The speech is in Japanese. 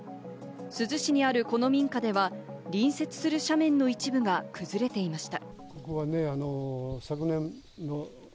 珠洲市にあるこの民家では、隣接する斜面の一部が崩れていました。